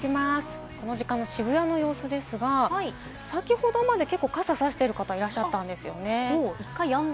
この時間の渋谷の様子ですが、先ほどまで傘をさしている方、いらっしゃったんですよね。